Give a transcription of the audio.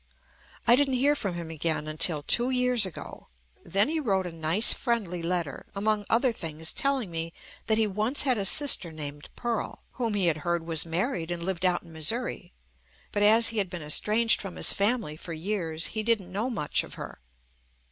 I didn't hear from him again until two years ago, then he wrote a nice friendly letter, among other things telling me that he once had a sister named Pearl, whom he had heard was married^ and lived out in Missouri; but as he had been estranged from his family for years he didn't know much of her.